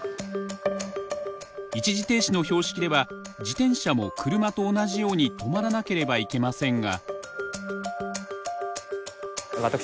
一時停止の標識では自転車も車と同じように止まらなければいけませんが。